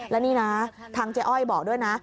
และนี่นะทางเจ๊อ้อยบอกด้วยนะ